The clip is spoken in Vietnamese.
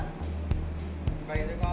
vậy rồi con